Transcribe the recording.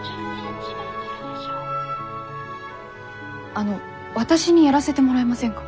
あの私にやらせてもらえませんか？